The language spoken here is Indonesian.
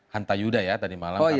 hanta yuda ya tadi malam